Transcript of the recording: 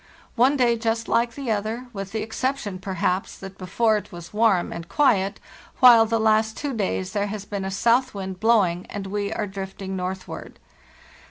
One day just like the other, with the exception, perhaps, that before it was warm and quiet, while the last two days there has been a south wind blowing, and we are drifting northward.